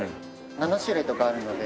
７種類とかあるので。